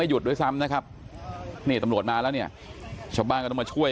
หยุดด้วยซ้ำนะครับนี่ตำรวจมาแล้วเนี่ยชาวบ้านก็ต้องมาช่วย